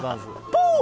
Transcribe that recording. ポー！